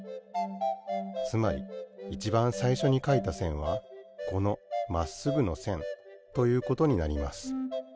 つまりいちばんさいしょにかいたせんはこのまっすぐのせんということになります。